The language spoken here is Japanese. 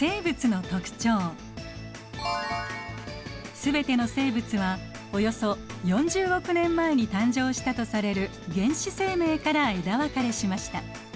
全ての生物はおよそ４０億年前に誕生したとされる原始生命から枝分かれしました。